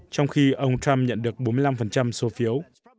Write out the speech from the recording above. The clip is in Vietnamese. trong khi ông trump nhận được bốn mươi năm số phiếu